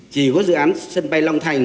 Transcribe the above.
chỉ có dự án sân bay long thành